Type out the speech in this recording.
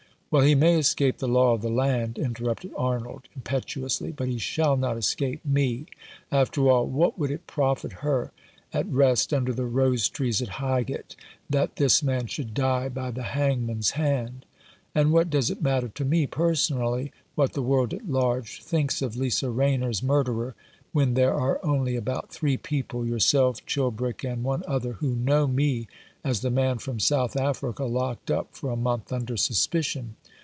"Well, he may escape the law of the land," interrupted Arnold, impetuously, "but he shall not escape me. After all, what would it profit her, at rest under the rose trees at Highgate, that this man should die by the hangman's hand ? And what does it matter to me, personally, what the world at large thinks of Lisa Rayner's murderer, when there are only about three people — yourself, Chilbrick, and one other — who know me as the man from South Africa, locked up for a month under suspicion.